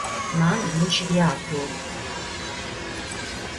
Man viņš ir jāatrod.